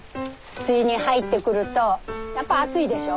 梅雨に入ってくるとやっぱ暑いでしょ？